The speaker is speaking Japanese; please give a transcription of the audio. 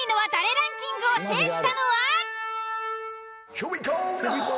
ランキングを制したのは。